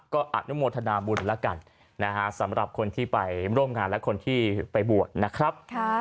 ก็อนุโมทนาบุญแล้วกันนะฮะสำหรับคนที่ไปร่วมงานและคนที่ไปบวชนะครับ